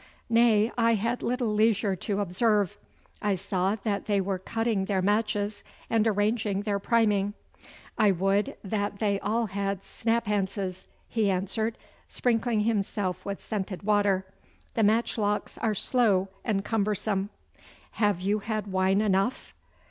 'Nay, I had little leisure to observe. I saw that they were cutting their matches and arranging their priming.' 'I would that they had all snaphances,' he answered, sprinkling himself with scented water; 'the matchlocks are slow and cumbersome. Have you had wine enough?